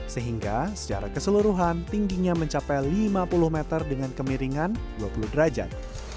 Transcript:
sehingga secara keseluruhan tingginya mencapai lima puluh meter dengan kemiringan dua puluh derajat